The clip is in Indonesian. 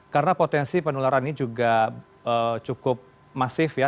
karena potensi penularan ini juga cukup masif ya